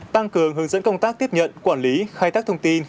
tăng cường hướng dẫn công tác tiếp nhận quản lý khai thác thông tin